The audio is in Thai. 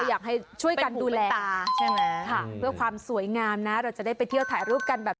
อยากให้ช่วยกันดูแลเพื่อความสวยงามนะเราจะได้ไปเที่ยวถ่ายรูปกัน